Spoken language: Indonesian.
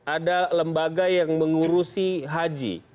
ada lembaga yang mengurusi haji